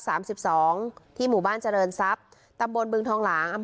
สังฆาธารหรือผ้าไตรจำหน่ายสังฆาธารหรือผ้าไตรจำหน่าย